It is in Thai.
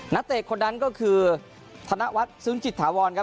นักเตะคนนั้นก็คือธนวัฒน์ซึ้งจิตถาวรครับ